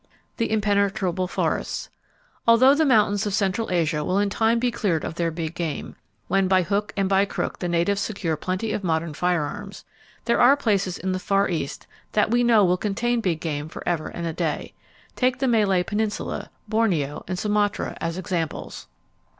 The Impenetrable Forests.—Although the mountains of central Asia will in time be cleared of their big game,—when by hook and by crook the natives secure plenty of modern firearms,—there are places in the Far East that we know will contain big game forever and a day. Take the Malay Peninsula, Borneo and Sumatra as examples.